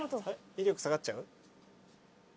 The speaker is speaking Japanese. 威力下がっちゃう？